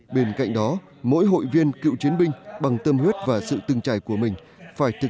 bên cạnh đó mỗi hội viên cựu chiến binh bằng tâm huyết và sự từng trải của mình phải thực